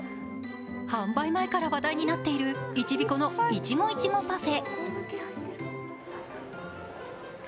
販売前から話題になっているＩＣＨＩＢＩＫＯのいちごいちごパフェ。